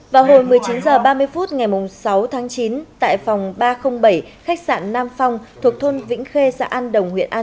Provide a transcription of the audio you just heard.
vào hồi một mươi chín h ba mươi phút ngày sáu tháng năm tổng số ma túy đá đã thu giữ là một trăm một mươi g gần một mươi bảy g ketamin và năm trăm linh viên thuốc lắc